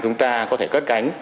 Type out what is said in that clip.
chúng ta có thể cất cánh